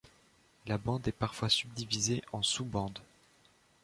La bande est parfois subdivisée en sous-bandes.